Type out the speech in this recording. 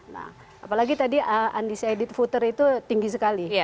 nah apalagi tadi andi syahidit futter itu tinggi sekali